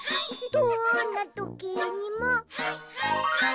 「どーんなときにもハイ！